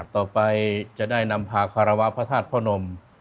ต่อไปจะได้นำพาคารวะพระธาตุพระนม